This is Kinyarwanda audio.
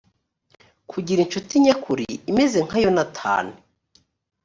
kugira incuti nyakuri imeze nka yonatani